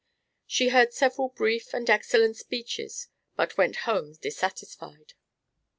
She heard several brief and excellent speeches, but went home dissatisfied.